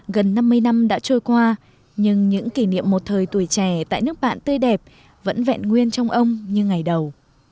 gần năm mươi năm đã trôi qua nhưng những kỷ niệm một thời tuổi trẻ tại nước bạn tươi đẹp vẫn vẹn nguyên trong ông như ngày đầu